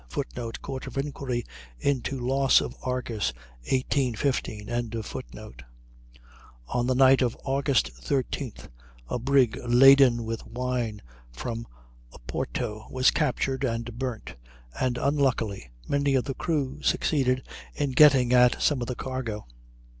[Footnote: Court of Inquiry into loss of Argus, 1815.] On the night of August 13th, a brig laden with wine from Oporto was captured and burnt, and unluckily many of the crew succeeded in getting at some of the cargo.